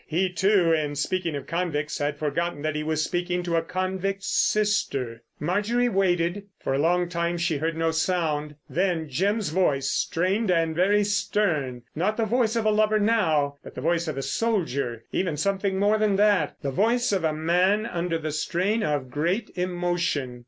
He, too, in speaking of convicts had forgotten that he was speaking to a convict's sister. Marjorie waited. For a long time she heard no sound. Then Jim's voice, strained and very stern. Not the voice of a lover now, but the voice of a soldier—even something more than that, the voice of a man under the strain of great emotion.